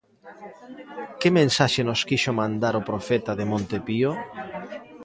Que mensaxe nos quixo mandar o profeta de Monte Pío?